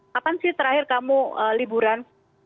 kapan sih terakhir kamu liburan